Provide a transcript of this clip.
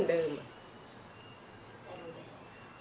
แล้วบอกว่าไม่รู้นะ